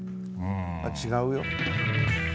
違うよ。